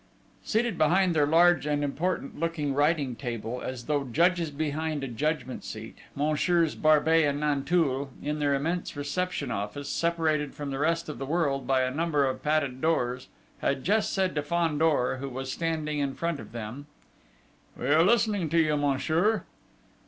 Seated behind their large and important looking writing table, as though judges behind a judgment seat, Messieurs Barbey and Nanteuil, in their immense reception office, separated from the rest of the world by a number of padded doors, had just said to Fandor, who was standing in front of them: "We are listening to you, monsieur."